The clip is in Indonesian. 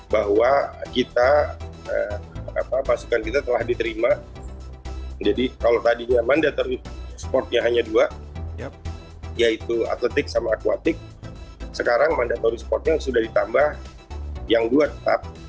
bahwa kita pasukan kita telah diterima jadi kalau tadinya mandatory sportnya hanya dua yaitu atletik sama akuatik sekarang mandatory sportnya sudah ditambah yang dua tetap